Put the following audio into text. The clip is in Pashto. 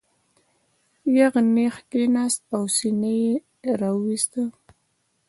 یغ نېغ کېناست او سینه یې را وویسته.